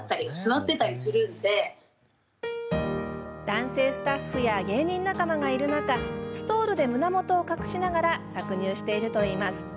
男性スタッフや芸人仲間がいる中ストールで胸元を隠しながら搾乳しているといいます。